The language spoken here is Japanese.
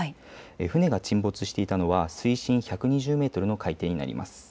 船が沈没していたのは水深１２０メートルの海底になります。